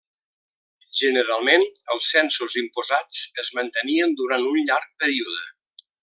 Generalment els censos imposats es mantenien durant un llarg període.